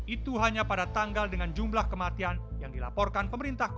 itu hanya pada tanggal dengan jumlah kematian yang dilaporkan pemerintah kota